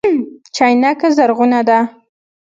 چينکه زرغونه ده